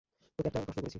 তোকে একটা প্রশ্ন করেছি।